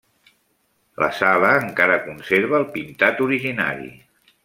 La sala encara conserva el pintat originari.